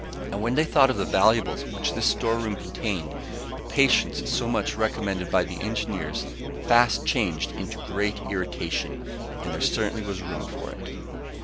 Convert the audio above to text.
And when they thought of the valuables which this storeroom contained, the patience so much recommended by the engineer, fast changed into great irritation, and there certainly was room for it.